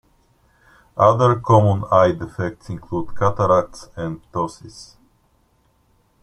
Other common eye defects include cataracts and ptosis.